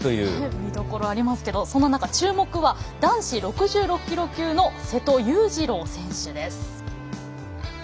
見どころありますがその中、注目は男子６６キロ級の瀬戸勇次郎選手です。